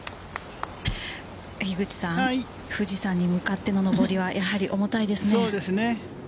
富士山に向かっての上りはやはり重たいですね。